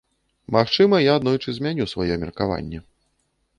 Магчыма, я аднойчы змяню сваё меркаванне.